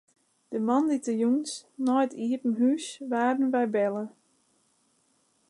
De moandeitejûns nei it iepen hûs waarden wy belle.